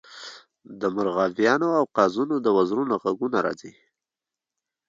د مرغابیانو او قازونو د وزرونو غږونه راځي